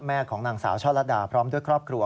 ของนางสาวช่อลัดดาพร้อมด้วยครอบครัว